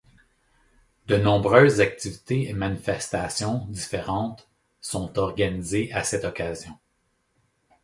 De nombreuses activités et manifestations différentes sont organisées à cette occasion.